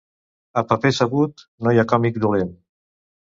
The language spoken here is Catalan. A paper sabut, no hi ha còmic dolent.